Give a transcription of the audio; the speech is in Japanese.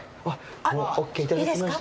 ＯＫいただきました。